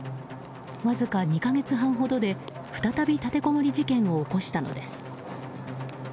わずか２か月半ほどで再び立てこもり事件を起こしたのです。